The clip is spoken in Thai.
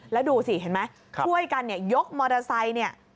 แล้วดูสิเห็นไหมช่วยกันเนี่ยยกมอเตอร์ไซค์เนี่ย